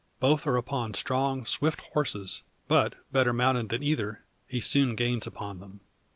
Both are upon strong, swift, horses; but better mounted than either, he soon gains upon them.